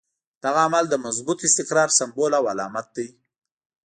دغه عمل د مضبوط استقرار سمبول او علامت دی.